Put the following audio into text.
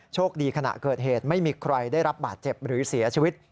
คดีขณะเกิดเหตุไม่มีใครได้รับบาดเจ็บหรือเสียชีวิต